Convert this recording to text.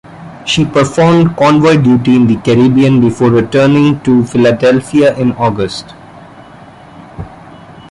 She performed convoy duty in the Caribbean before returning to Philadelphia in August.